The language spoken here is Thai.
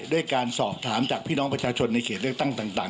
ด้วยการสอบถามจากพี่น้องประชาชนในเขตเลือกตั้งต่าง